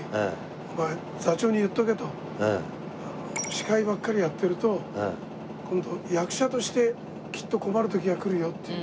「司会ばっかりやってると今度役者としてきっと困る時が来るよ」っていう。